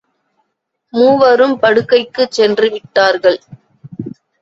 மூவரும் படுக்கைக்குச் சென்றுவிட்டார்கள்.